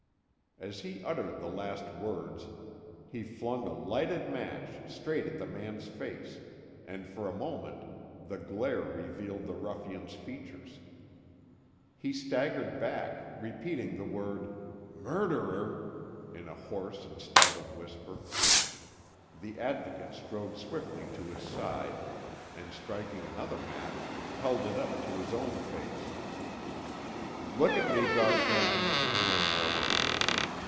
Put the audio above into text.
As he uttered the last words he flung a lighted match straight at the man's face, and for a moment the glare revealed the ruffian's features. He staggered back, repeating the word "Murderer!" in a hoarse startled whisper. The Advocate strode swiftly to his side, and striking another match, held it up to his own face. "Look at me, Gautran," he said.